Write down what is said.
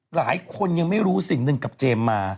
หลายคนยังไม่รู้สิ่งหนึ่งกับเจมส์มา